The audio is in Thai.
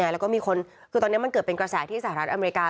แล้วก็มีคนคือตอนนี้มันเกิดเป็นกระแสที่สหรัฐอเมริกา